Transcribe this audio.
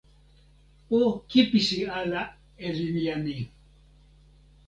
o kipisi ala e linja ni!